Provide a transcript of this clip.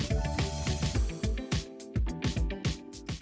untuk kebutuhan pembuatan eco brick